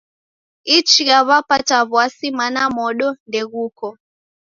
Ichia w'apata w'asi mana modo ndeghuko.